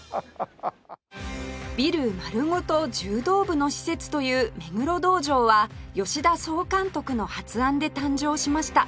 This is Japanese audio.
ビル丸ごと柔道部の施設という目黒道場は吉田総監督の発案で誕生しました